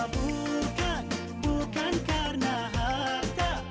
bukan bukan karena harta